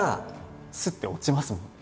スッて落ちますもんね。